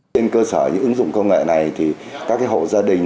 trên cơ sở những ứng dụng công nghệ này thì các hộ gia đình